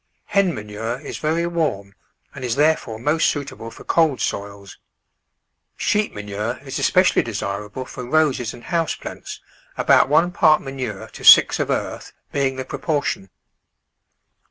Hen manure is very warm and is therefore most suitable for cold soils. Sheep manure is espe cially desirable for Roses and house plants, about one part manure to six of earth being the propor tion.